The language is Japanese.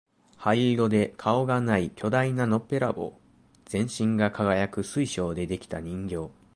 灰色で顔がない巨大なのっぺらぼう、全身が輝く水晶で出来た人形、